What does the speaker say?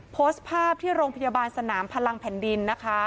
โพสต์ภาพที่โรงพยาบาลสนามพลังแผ่นดินนะคะ